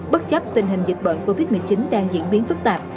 bất chấp tình hình dịch bệnh covid một mươi chín đang diễn biến phức tạp